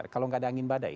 kalau nggak ada angin badai